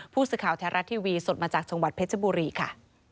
ผู้สื่อข่าวแท้รัฐทีวีสดมาจากจังหวัดเพชรบุรีค่ะ